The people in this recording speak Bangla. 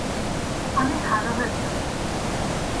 আমি ভালো হয়ে যাবো।